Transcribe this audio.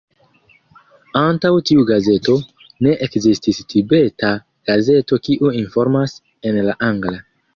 Antaŭ tiu gazeto, ne ekzistis Tibeta gazeto kiu informas en la angla.